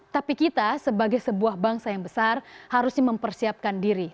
tapi kita sebagai sebuah bangsa yang besar harusnya mempersiapkan diri